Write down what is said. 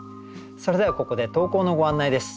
それではここで投稿のご案内です。